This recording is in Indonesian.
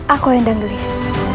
aku endang delis